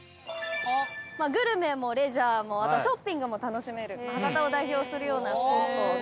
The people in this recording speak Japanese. グルメもレジャーもショッピングも楽しめる博多を代表するようなスポットなんですけれども。